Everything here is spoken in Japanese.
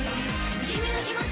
君の気持ち